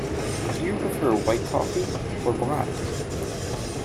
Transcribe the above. Do you prefer white coffee, or black?